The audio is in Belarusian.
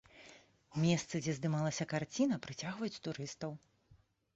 Месцы, дзе здымалася карціна, прыцягваюць турыстаў.